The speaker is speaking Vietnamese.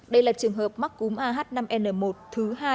đây là trường hợp mắc cúm ah năm n một thứ hai mươi một